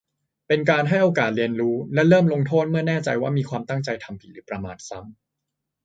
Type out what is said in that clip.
เป็นการให้โอกาสเรียนรู้ และเริ่มลงโทษเมื่อแน่ใจว่ามีความตั้งใจทำผิดหรือประมาทซ้ำ